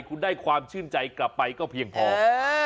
คุณได้ความชื่นใจกลับไปก็เพียงพอ